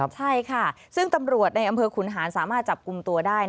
ใช่ค่ะซึ่งตำรวจในอำเภอขุนหารสามารถจับกลุ่มตัวได้